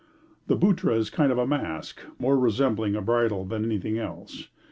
The buttra is a kind of mask, more resembling a bridle than anything else.